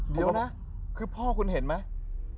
เดี๋ยวนะคือพ่อคุณเห็นไหม